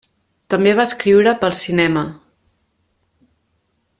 També va escriure per al cinema.